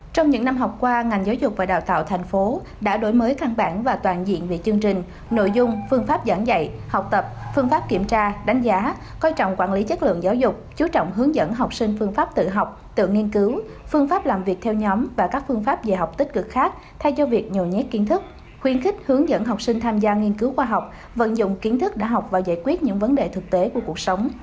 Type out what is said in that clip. trong những năm học qua ngành giáo dục và đào tạo thành phố đã đổi mới căn bản và toàn diện về chương trình nội dung phương pháp giảng dạy học tập phương pháp kiểm tra đánh giá coi trọng quản lý chất lượng giáo dục chú trọng hướng dẫn học sinh phương pháp tự học tự nghiên cứu phương pháp làm việc theo nhóm và các phương pháp về học tích cực khác thay do việc nhồi nhét kiến thức khuyên khích hướng dẫn học sinh tham gia nghiên cứu khoa học vận dụng kiến thức đã học và giải quyết những vấn đề thực tế của cuộc sống